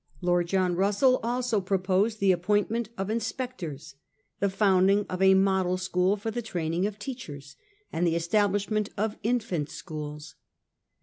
Lord John Russell also proposed the appointment of inspectors, the founding of a model school for the training of teachers, and the establishment of infant schools.